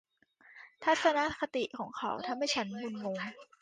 ทัศนคติของเขาทำให้ฉันงุนงง